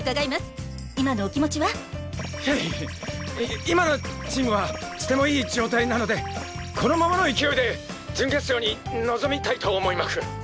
い今のチームはとてもいい状態なのでこのままの勢いで準決勝に臨みたいと思いまふ。